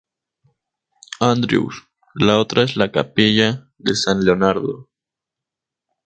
Andrews; la otra es la Capilla de San Leonardo.